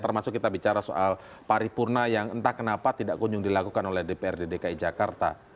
termasuk kita bicara soal paripurna yang entah kenapa tidak kunjung dilakukan oleh dprd dki jakarta